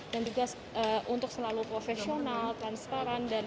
dan juga untuk selalu profesional transparan